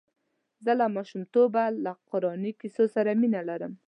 زه له ماشومتوبه له قراني کیسو سره مینه لرم.